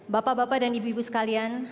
bapak bapak dan ibu ibu sekalian